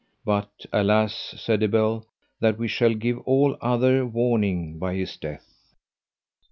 But alas, said Ebel, that we shall give all other warning by his death.